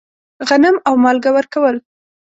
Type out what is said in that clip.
غنم او مالګه ورکول.